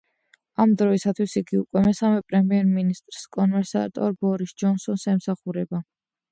ამ დროისათვის იგი უკვე მესამე პრემიერ-მინისტრს, კონსერვატორ ბორის ჯონსონს ემსახურება.